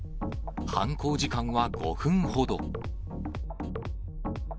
犯行時間は５分ほど。